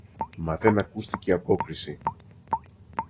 Μα δεν ακούστηκε απόκριση.